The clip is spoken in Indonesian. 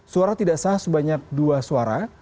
suara tidak sah sebanyak dua suara